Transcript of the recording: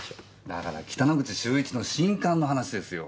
だから北之口秀一の新刊の話ですよ。